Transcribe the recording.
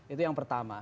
itu yang pertama